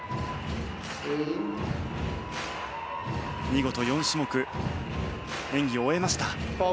見事４種目、演技を終えました。